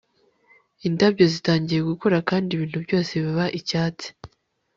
indabyo zitangiye gukura kandi ibintu byose biba icyatsi